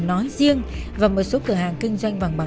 nói riêng và một số cửa hàng kinh doanh vàng bạc